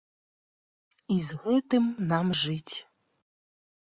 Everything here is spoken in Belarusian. І з гэтым нам жыць.